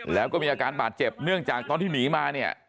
แล้วก็มีอาการบาดเจ็บเนื่องจากตอนที่หนีมาเนี่ย